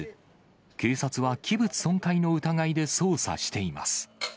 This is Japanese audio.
警察は器物損壊の疑いで捜査しています。